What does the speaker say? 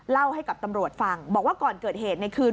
เล่าให้กับตำรวจฟังบอกว่าก่อนเกิดเหตุในคืน